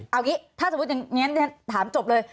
เอางี้ถ้าสมมุติอย่างนี้ถามจบเลย